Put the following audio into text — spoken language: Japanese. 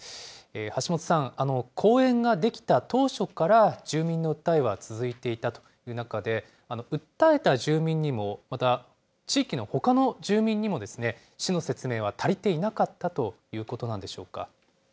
橋本さん、公園が出来た当初から、住民の訴えは続いていたという中で、訴えた住民にも、また地域のほかの住民にもですね、市の説明は足りていなかったということなんでしょうか。